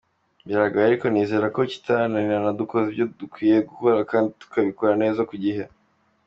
Biragoye ariko nizera ko kitananirana dukoze ibyo dukwiye gukora kandi tukabikora neza ku gihe.